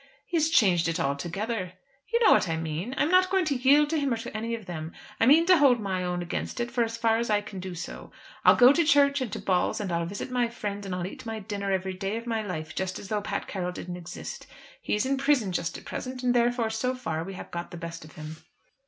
"He has changed it altogether." "You know what I mean. I am not going to yield to him or to any of them. I mean to hold my own against it as far as I can do so. I'll go to church, and to balls, and I'll visit my friends, and I'll eat my dinner every day of my life just as though Pat Carroll didn't exist. He's in prison just at present, and therefore so far we have got the best of him."